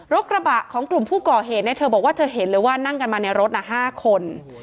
กระบะของกลุ่มผู้ก่อเหตุเธอบอกว่าเธอเห็นเลยว่านั่งกันมาในรถ๕คน